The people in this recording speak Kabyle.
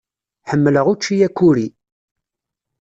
Ḥemmleɣ učči akuri.